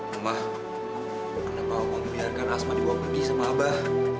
umah kenapa omang biarkan asma dibawa pergi sama abah